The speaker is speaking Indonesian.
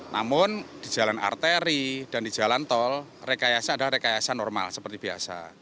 namun di jalan arteri dan di jalan tol rekayasa adalah rekayasa normal seperti biasa